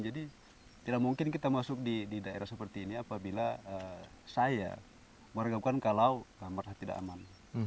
jadi tidak mungkin kita masuk di daerah seperti ini apabila saya meragukan kalau kamarnya tidak aman